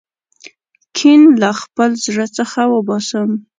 کین له خپل زړه څخه وباسم.